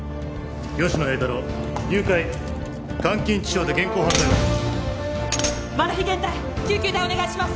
吉乃栄太郎誘拐監禁致傷で現行犯逮捕するマル被現逮救急隊お願いします！